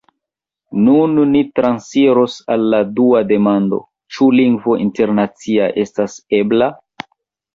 Nun ni transiros al la dua demando: « ĉu lingvo internacia estas ebla?"